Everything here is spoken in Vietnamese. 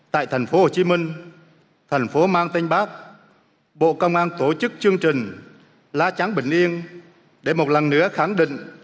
tại thành phố hồ chí minh thành phố mang tênh bác bộ công an tổ chức chương trình la cháng bình yên để một lần nữa khẳng định